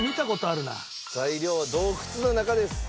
材料は洞窟の中です。